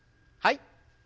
はい。